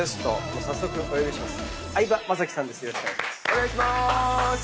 お願いします。